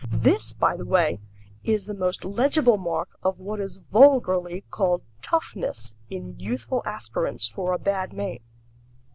This, by the way, is the most legible mark of what is vulgarly called "toughness" in youthful aspirants for a bad name.